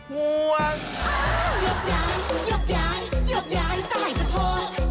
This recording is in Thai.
ยกยายยกยายยกยายสไหร่สโภ